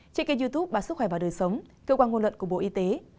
trên kênh youtube bà sức khỏe và đời sống cơ quan ngôn luận của bộ y tế